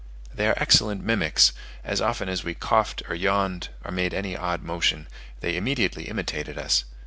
They are excellent mimics: as often as we coughed or yawned, or made any odd motion, they immediately imitated us.